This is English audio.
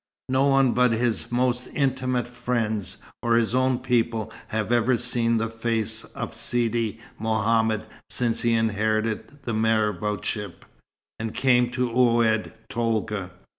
No one but his most intimate friends, or his own people, have ever seen the face of Sidi Mohammed since he inherited the maraboutship, and came to Oued Tolga.